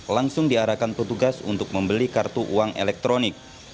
langsung diarahkan petugas untuk membeli kartu uang elektronik